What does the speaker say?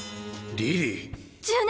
リリー。